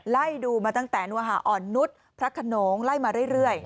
ไล่ดูมาตั้งแต่นวหาอ่อนนุษย์พระขนงไล่มาเรื่อย